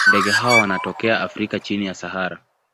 Ndege hawa wanatokea Afrika chini ya Sahara.